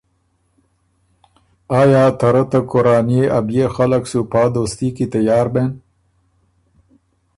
آیا ته رئ ته کورانيې ا بيې خلق سُو پا دوستي کی تیار بېن؟